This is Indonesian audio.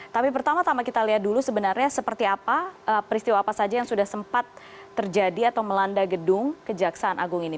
tapi pertama tama kita lihat dulu sebenarnya seperti apa peristiwa apa saja yang sudah sempat terjadi atau melanda gedung kejaksaan agung ini